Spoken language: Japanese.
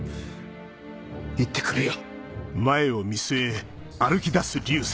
行ってくるよ。